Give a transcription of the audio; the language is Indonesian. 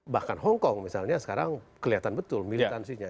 bahkan hongkong misalnya sekarang kelihatan betul militansinya